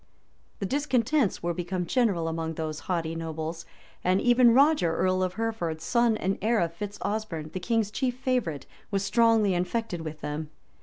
The discontents were become general among those haughty nobles; and even Roger, earl of Hereford, son and heir of Fitz Osberne, the king's chief favorite, was strongly infected with them.